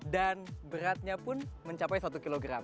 dan beratnya pun mencapai satu kg